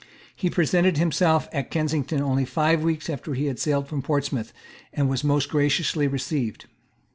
He presented himself at Kensington only five weeks after he had sailed from Portsmouth, and was most graciously received.